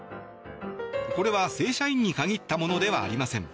これは、正社員に限ったものではありません。